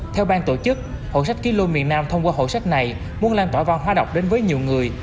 theo bang tổ chức hội sách kilo miền nam thông qua hội sách này muốn lan tỏa văn hóa đọc đến với nhiều người